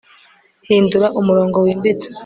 Hindura umurongo wimbitse